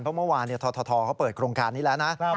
เพราะเมื่อวานททเขาเปิดโครงการนี้แล้วนะ